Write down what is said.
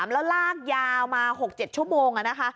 แล้วลากยาวมา๖๗ชั่วโมง